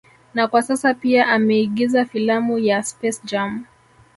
Na kwa sasa pia ameigiza filamu ya SpaceJam